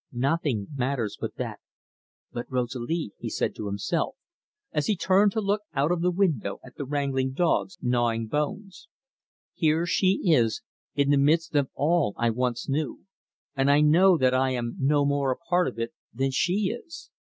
"Nothing matters but that but Rosalie," he said to himself as he turned to look out of the window at the wrangling dogs gnawing bones. "Here she is in the midst of all I once knew, and I know that I am no more a part of it than she is.